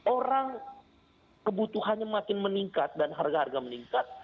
orang kebutuhannya makin meningkat dan harga harga meningkat